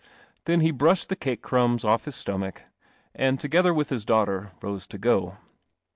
Then he brushed the cake crumbs off his stomach, and, together with his daughter, rose to go.